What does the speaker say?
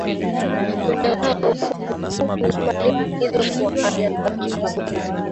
Ulemavu huku mnyama aliyeambukizwa akianguka